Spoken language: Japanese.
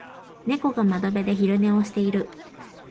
猫が窓辺で昼寝をしている。